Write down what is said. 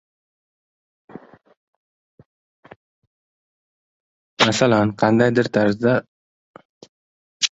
Masalan, qandaydir boshqacha tarzda uyqudan turolmaymiz-ku.